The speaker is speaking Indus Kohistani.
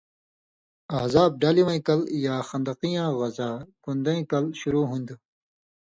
احزاب (ڈلی وَیں کل) یا خندقیاں غزا (کن٘دَیں کل) شُروع ہون٘دوۡ۔